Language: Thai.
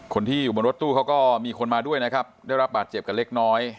คนที่อยู่บนรถตู้เขาก็มีคนมาด้วยนะครับได้รับบาดเจ็บกันเล็กน้อย